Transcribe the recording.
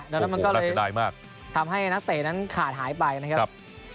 แล้วมันก็เลยทำให้นักเต๋นั้นขาดหายไปนะครับ